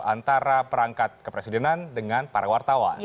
antara perangkat kepresidenan dengan para wartawan